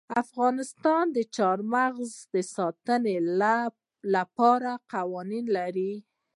افغانستان د چار مغز د ساتنې لپاره قوانین لري.